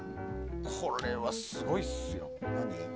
これはすごいっすよ。